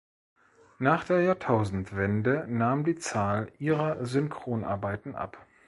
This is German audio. Nach der Jahrtausendwende nahm die Zahl ihrer Synchronarbeiten ab.